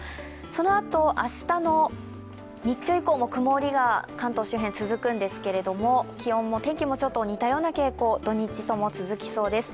そのあと、明日の日中以降も曇りが関東は続くんですけど気温も天気も似たような傾向、土日とも続きそうです。